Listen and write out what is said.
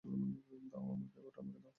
দাও, ওটা আমাকে দাও।